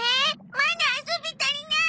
まだ遊び足りない！